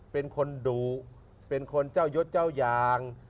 เป็นคนดุเป็นคนเจ้ายศเจ้ายาง